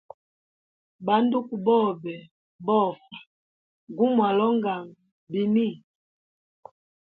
Ba nduku bobe bofa gumwalonganga bini.